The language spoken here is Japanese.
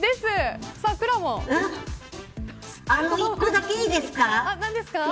一個だけいいですか。